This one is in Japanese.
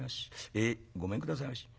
ええごめんくださいまし」。